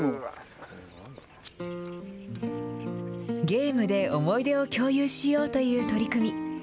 ゲームで思い出を共有しようという取り組み。